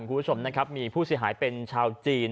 คุณผู้ชมนะครับมีผู้เสียหายเป็นชาวจีน